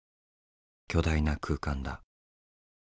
巨大な空間だ。